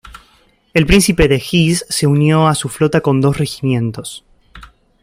El príncipe de Hesse se unió a su flota con dos regimientos.